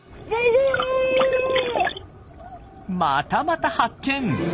またまた発見！